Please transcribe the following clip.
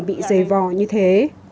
bị dày vò như thế